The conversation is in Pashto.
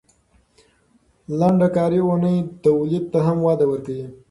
لنډه کاري اونۍ تولید ته هم وده ورکوي.